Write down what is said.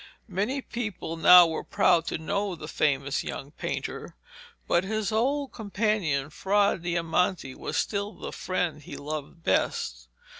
Many people now were proud to know the famous young painter, but his old companion Fra Diamante was still the friend he loved best.